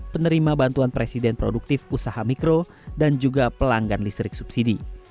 penerima bantuan presiden produktif usaha mikro dan juga pelanggan listrik subsidi